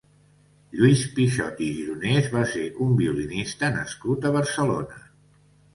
Lluís Pichot i Gironès va ser un violinista nascut a Barcelona.